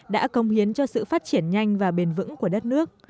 đã công hiến cho sự phát triển nhanh và bền vững của đất nước